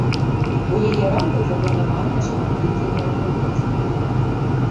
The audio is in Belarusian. У яе рамках запланаваныя шматлікія мерапрыемствы.